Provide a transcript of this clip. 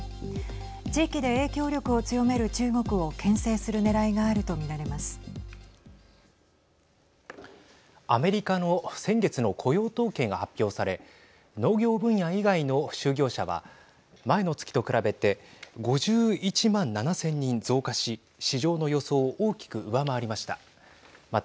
地域で影響力を強める中国をけん制するねらいがあるとアメリカの先月の雇用統計が発表され農業分野以外の就業者は前の月と比べて５１万７０００人増加し市場の予想を大きく上回りました。